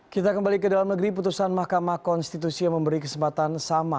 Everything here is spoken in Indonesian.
kita kembali ke dalam negeri putusan mahkamah konstitusi yang memberi kesempatan sama